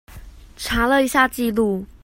查了一下記錄